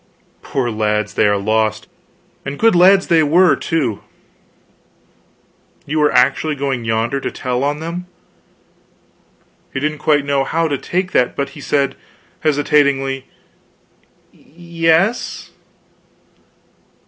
"Poor lads, they are lost. And good lads they were, too." "Were you actually going yonder to tell on them?" He didn't quite know how to take that; but he said, hesitatingly: "Ye s."